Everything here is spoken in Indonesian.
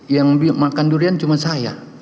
yang makan durian cuma saya